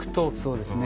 そうですね。